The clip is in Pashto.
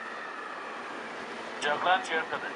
تېرې خاطرې باید یوازي مثبتي وي.